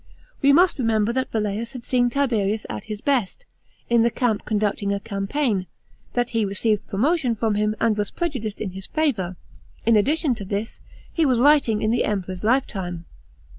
We must remember that Velleius had seen Tiberius at his best, in the camp conducting a campaign, that he received promotion from him, and was prejudiced in his favour; in addition to this, he was writing in the Emperor's lifetime.